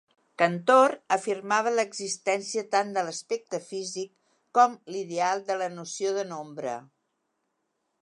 Cantor afirmava l’existència tant de l’aspecte físic com l’ideal de la noció de nombre.